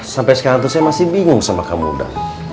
sampai sekarang tuh saya masih bingung sama kamu uda